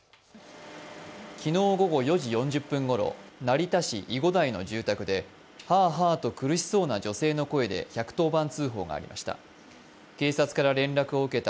昨日午後４時４０分頃、成田市囲護台の住宅ではあはあと苦しそうな女性の声で１１０番通報がありました。